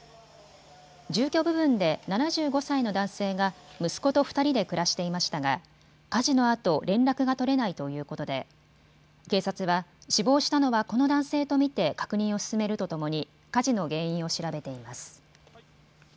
住居部分で７５歳の男性が息子と２人で暮らしていましたが火事のあと連絡が取れないということで警察は死亡したのはこの男性と見て確認を進めるとともに火事の原因を調べています。